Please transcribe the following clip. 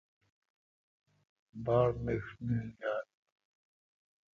باڑ مݭ نیند ییل۔